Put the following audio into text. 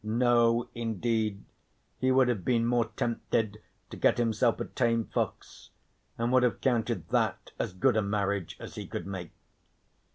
No, indeed, he would have been more tempted to get himself a tame fox, and would have counted that as good a marriage as he could make.